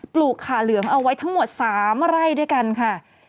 ลูกขาเหลืองเอาไว้ทั้งหมด๓ไร่ด้วยกันค่ะ